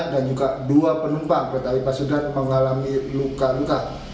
dan juga dua penumpang kereta pasundan mengalami luka luka